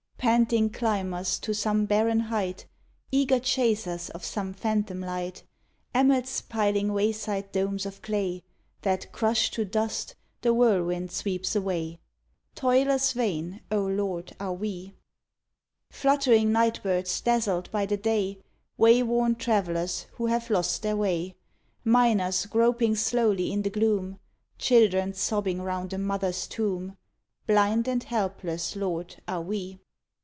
_" Panting climbers to some barren height; Eager chasers of some phantom light; Emmets piling wayside domes of clay, That, crushed to dust, the whirlwind sweeps away; Toilers vain, O Lord, are we. Fluttering night birds dazzled by the day; Wayworn travellers who have lost their way; Miners groping slowly in the gloom; Children sobbing round a mother's tomb; Blind and helpless, Lord, are we.